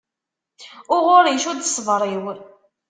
Uɣur icudd ṣṣber-iw.